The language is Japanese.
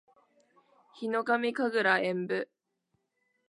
ヒノカミ神楽円舞（ひのかみかぐらえんぶ）